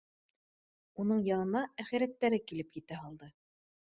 Уның янына әхирәттәре килеп етә һалды